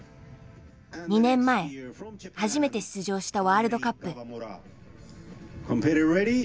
２年前初めて出場したワールドカップ。